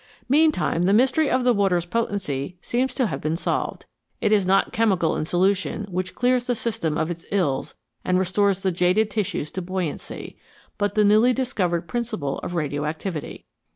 Meantime the mystery of the water's potency seems to have been solved. It is not chemical in solution which clears the system of its ills and restores the jaded tissues to buoyancy, but the newly discovered principle of radioactivity.